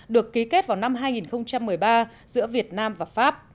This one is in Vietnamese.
được ký kết vào năm hai nghìn một mươi ba giữa việt nam và pháp